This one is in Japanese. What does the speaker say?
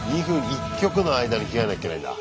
１曲の間に着替えなきゃいけないんだ。